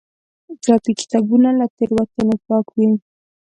چاپي کتابونه له تېروتنو پاک وي.